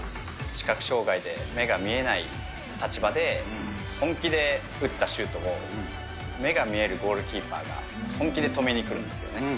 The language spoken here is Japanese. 視覚障がいで目が見えない立場で、本気で打ったシュートを目が見えるゴールキーパーが本気で止めにくるんですよね。